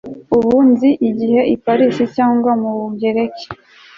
ubu nzi igihe i paris cyangwa mu bugereki